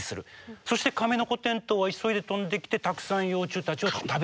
そしてカメノコテントウは急いで飛んできてたくさん幼虫たちを食べる。